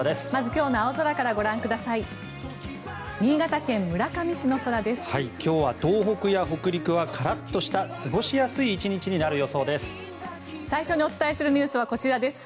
今日は東北や北陸はカラッとした過ごしやすい１日になる予想です。